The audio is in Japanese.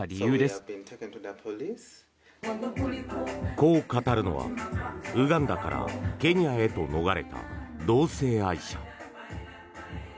こう語るのは、ウガンダからケニアへと逃れた同性愛者。